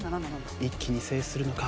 一気に制するのか？